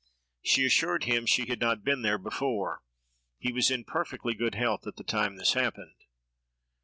She assured him she had not been there before. He was in perfectly good health at the time this happened.